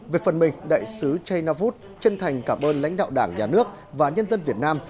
về phần mình đại sứ chaynavut chân thành cảm ơn lãnh đạo đảng nhà nước và nhân dân việt nam